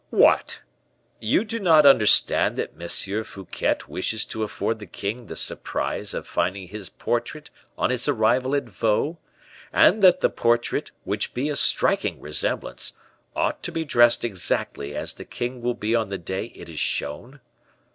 "What! you do not understand that M. Fouquet wishes to afford the king the surprise of finding his portrait on his arrival at Vaux; and that the portrait, which be a striking resemblance, ought to be dressed exactly as the king will be on the day it is shown?"